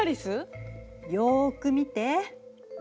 よく見て。